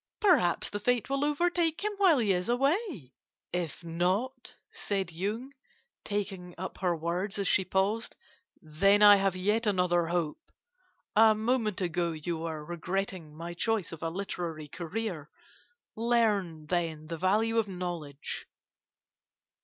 Perhaps the fate will overtake him while he is away. If not ' "'If not,' said Yung, taking up her words as she paused, 'then I have yet another hope. A moment ago you were regretting my choice of a literary career. Learn, then, the value of knowledge.